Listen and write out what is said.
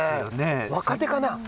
若手かな？